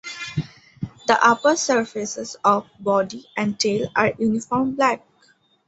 The upper surfaces of body and tail are uniform black.